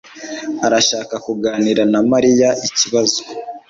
arashaka kuganira na Mariya ikibazo.